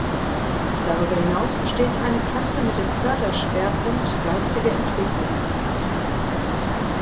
Darüber hinaus besteht eine Klasse mit dem Förderschwerpunkt Geistige Entwicklung.